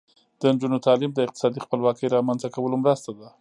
د نجونو تعلیم د اقتصادي خپلواکۍ رامنځته کولو مرسته ده.